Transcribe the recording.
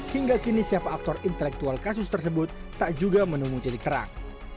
hingga kini siapa aktor intelektual kasus tersebut tak juga menemui jelik terang